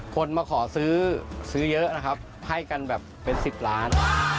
คนมาขอซื้อซื้อเยอะนะครับให้กันแบบเป็น๑๐ล้าน